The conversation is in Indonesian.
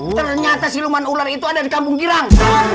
ternyata siluman ular itu ada di kampung girang